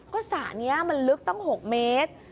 ก็สระนี้มันลึกตั้ง๖เมตร